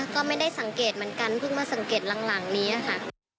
ก็ไม่ได้สังเกตเหมือนกันเพิ่งมาสังเกตหลังนี้ค่ะ